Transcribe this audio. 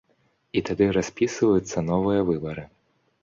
І тады распісываюцца новыя выбары.